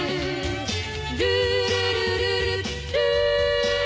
「ルールルルルルー」